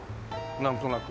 なんとなく。